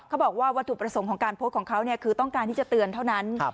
วัตถุประสงค์ของการโพสต์ของเขาคือต้องการที่จะเตือนเท่านั้น